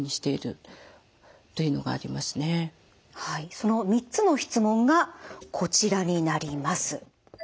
その３つの質問がこちらになります。